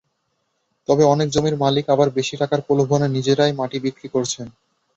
তবে অনেক জমির মালিক আবার বেশি টাকার প্রলোভনে নিজেরাই মাটি বিক্রি করছেন।